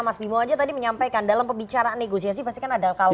mas bimo aja tadi menyampaikan dalam pebicaraan negosiasi pasti kan ada kalkulasi politik